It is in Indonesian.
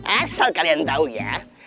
asal kalian tau ya